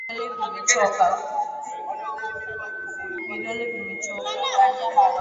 Vidole vimechoka.